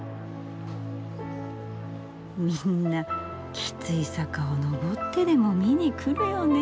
みんなきつい坂を上ってでも見に来るよね。